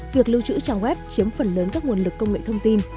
việc lưu trữ trang web chiếm phần lớn các nguồn lực công nghệ thông tin